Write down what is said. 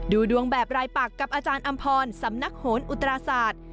ดูดวงแบบรายปักกับอาจารย์อำพรสำนักโหนอุตราศาสตร์